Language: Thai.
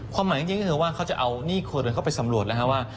ความหมายจริงก็จะว่าเขาจะเอานีข่วเรือนเขาไปสำรวจนะครับว่า